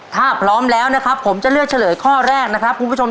ถ้าพร้อมแล้วนะครับผมจะเลือกเฉลยข้อแรกนะครับคุณผู้ชม